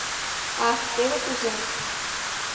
— Ах, теве кузе!